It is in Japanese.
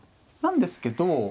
なんですけど。